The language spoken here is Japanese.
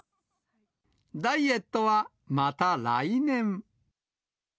ダイエットはまた来年。